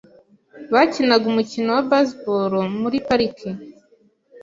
Bakinaga umukino wa baseball muri parike .